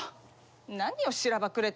何をしらばっくれて。